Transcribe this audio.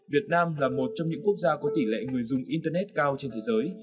việt nam là một trong những quốc gia có tỷ lệ người dùng internet cao trên thế giới